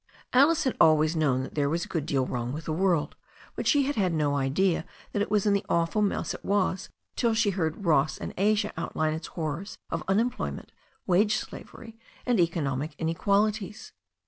Alice had always known that there was a good deal wrong with the world, but she had had no idea that it was in the awful mess it was till she heard Ross and Asia outline its horrors of unemplo3rment, wage slavery and economic in equalities.